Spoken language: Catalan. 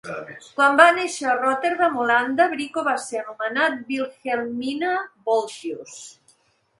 Quan va néixer a Rotterdam, Holanda, Brico va ser anomenat Wilhelmina Wolthius.